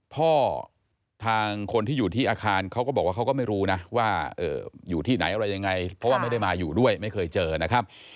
ทางคนที่อยู่ที่อาคารเขาก็บอกว่าเขาก็ไม่รู้นะว่าอยู่ที่ไหนอะไรยังไงเพราะว่าไม่ได้มาอยู่ด้วยไม่เคยเจอนะครับ